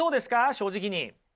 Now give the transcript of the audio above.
正直に。